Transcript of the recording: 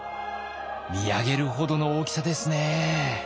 見上げるほどの大きさですね。